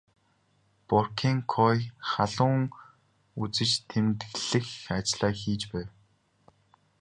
Боркенкою халуун үзэж тэмдэглэх ажлаа хийж байв.